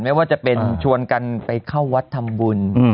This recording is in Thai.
ไม่ว่าจะเป็นชวนกันไปเข้าวัดทำบุญไปปล่อยปลานะฮะ